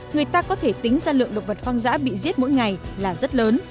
người ta có thể tính ra lượng động vật hoang dã bị giết mỗi ngày là rất lớn